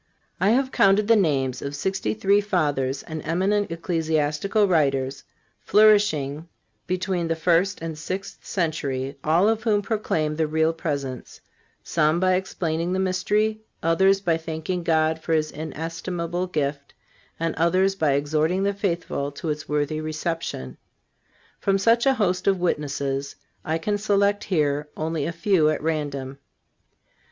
I have counted the names of sixty three Fathers and eminent Ecclesiastical writers flourishing between the first and sixth century all of whom proclaim the Real Presence—some by explaining the mystery, others by thanking God for his inestimable gift, and others by exhorting the faithful to its worthy reception. From such a host of witnesses I can select here only a few at random.